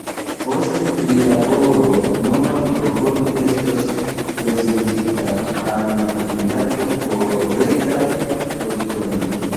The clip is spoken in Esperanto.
Post prilaboro nova propono estos prezentita al la komitato por reta voĉdono.